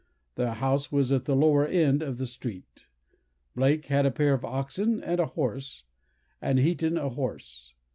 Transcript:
Their house was at the lower end of the street. Blake had a pair of oxen and a horse, and Heaton a horse.